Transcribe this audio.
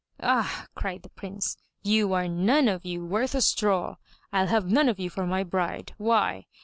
"Ah! cried the Prince, *Vou're none of you worth a straw! rU have none of you for my bride. Why!